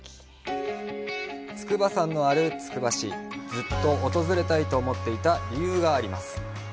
筑波山のあるつくば市、ずっと訪れたいと思っていた理由があります。